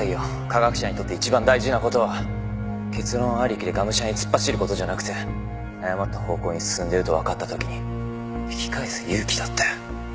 科学者にとって一番大事な事は結論ありきでがむしゃらに突っ走る事じゃなくて誤った方向に進んでいるとわかった時に引き返す勇気だって。